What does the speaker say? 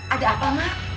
ada apa emak